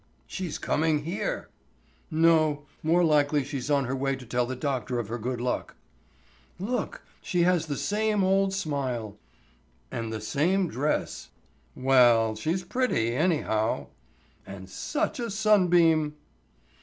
"She's coming here." "No; more likely she's on her way to tell the doctor of her good luck." "Look, she has the same old smile." "And the same dress." "Wa'al she's pretty, anyhow." "And such a sunbeam!"